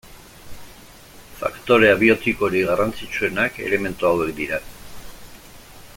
Faktore abiotikorik garrantzitsuenak elementu hauek dira.